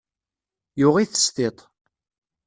Yuɣ-it s tiṭ.